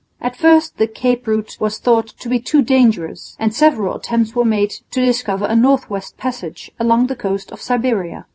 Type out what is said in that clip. At first the Cape route was thought to be too dangerous, and several attempts were made to discover a north west passage along the coast of Siberia.